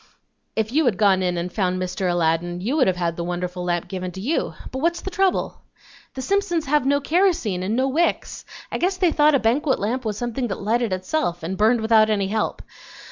If you had gone in and found Mr. Aladdin you would have had the wonderful lamp given to you; but what's the trouble?" "The Simpsons have no kerosene and no wicks. I guess they thought a banquet lamp was something that lighted itself, and burned without any help.